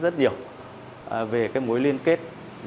rất nhiều về mối liên kết